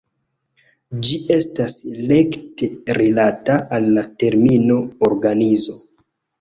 Ĝi estas rekte rilata al la termino "organizo".